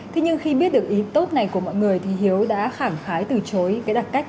thế nhưng khi biết được ý tốt này của mọi người thì hiếu đã khẳng khái từ chối cái đặc cách